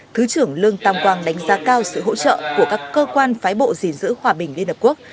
thứ trưởng lương tam quang đánh giá cao sự hỗ trợ của các cơ quan phái bộ dình giữ hòa bình liên hợp quốc